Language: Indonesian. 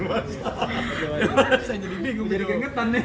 mas saya jadi bingung jadi gengetan nih